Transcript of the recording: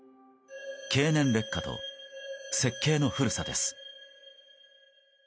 経年劣化と設計の古さです。